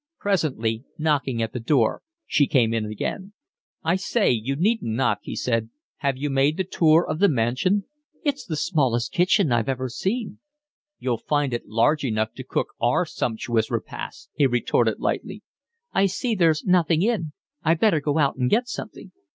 Presently, knocking at the door, she came in again. "I say, you needn't knock," he said. "Have you made the tour of the mansion?" "It's the smallest kitchen I've ever seen." "You'll find it large enough to cook our sumptuous repasts," he retorted lightly. "I see there's nothing in. I'd better go out and get something."